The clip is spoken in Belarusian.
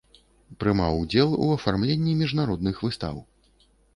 Прымаў ўдзел у афармленні міжнародных выстаў.